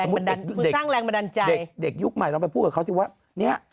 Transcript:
คุณสร้างแรงบันดันใจเด็กยุคใหม่เราไปพูดกับเขาสิวะเนี่ย